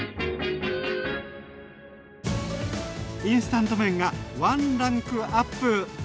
インスタント麺がワンランクアップ！